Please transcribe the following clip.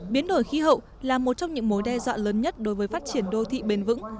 biến đổi khí hậu là một trong những mối đe dọa lớn nhất đối với phát triển đô thị bền vững